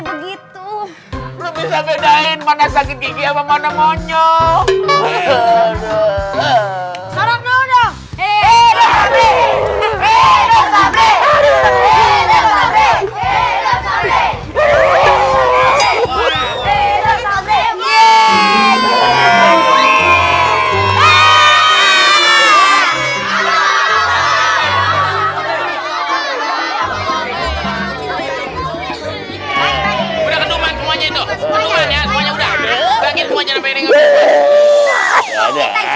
begitu lu bisa bedain mana sakit gigi apa mana monyok harapnya udah eh eh eh eh eh